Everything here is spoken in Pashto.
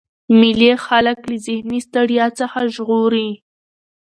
مېلې خلک له ذهني ستړیا څخه ژغوري.